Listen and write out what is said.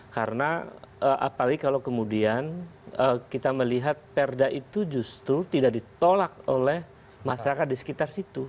karena apalagi kalau kemudian kita melihat perda itu justru tidak ditolak oleh masyarakat di sekitar situ